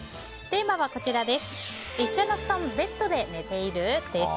テーマは一緒の布団・ベッドで寝ている？です。